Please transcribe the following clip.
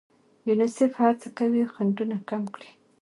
یونیسف هڅه کوي خنډونه کم کړي.